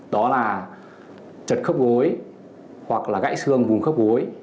đó là trật khớp gối hoặc là gãy xương vùng khớp gối